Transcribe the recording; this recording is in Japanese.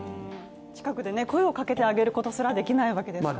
近くで声をかけてあげることすらできないわけですからね。